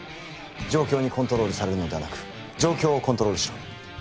状況にコントロールされるのではなく状況をコントロールしろ。